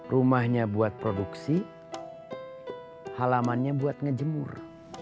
rumahnya buat produksi halamannya buat ngejemur